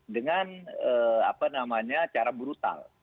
dengan cara brutal